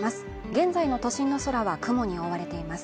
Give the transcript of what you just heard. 現在の都心の空は雲に覆われています